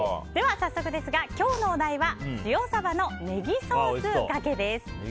早速ですが、今日のお題は塩サバのネギソースがけです。